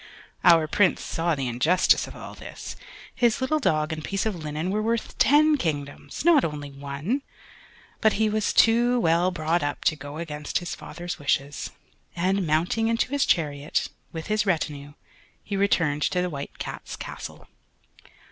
Our Prince saw the injustice of all this; his little dog and piece of linen were worth ten kingdoms, not only one; but he was too well brought up to go against his father's wishes, and, mounting into his chariot, with his retinue, he returned to the White Cat's Castle.